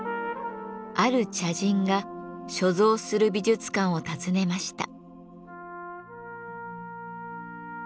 ある茶人が所蔵する美術館を訪ねました。